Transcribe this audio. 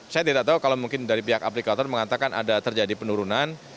saya tidak tahu kalau mungkin dari pihak aplikator mengatakan ada terjadi penurunan